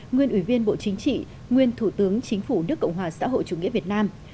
nguyên ủy viên bộ chính trị nguyên thủ tướng chính phủ nước cộng hòa xã hội chủ nghĩa việt nam